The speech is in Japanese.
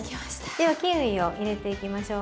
ではキウイを入れていきましょう。